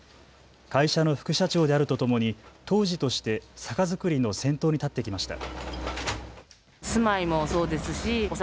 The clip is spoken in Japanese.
会社の副社長であるとともに杜氏として酒造りの先頭に立ってきました。